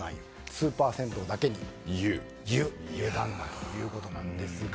スーパー銭湯だけに「湯断」だということなんですが。